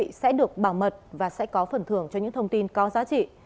quý vị sẽ được bảo mật và sẽ có phần thưởng cho những thông tin có giá trị